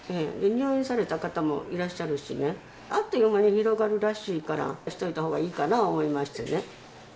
入院された方もいらっしゃるしね、あっという間に広がるらしいから、しといたほうがいいかな思いましてね。